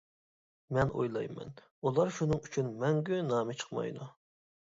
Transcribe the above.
مەن ئويلايمەن ئۇلار شۇنىڭ ئۈچۈن مەڭگۈ نامى چىقمايدۇ.